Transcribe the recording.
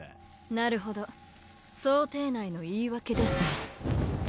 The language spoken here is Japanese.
なるほど想定内の言い訳ですね。